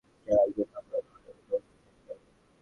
কেউ একজন তখনও লড়ার মতো অবস্থায় থাকতে হবে।